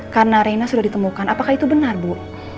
karena rena sudah ditemukan apakah itu benar bu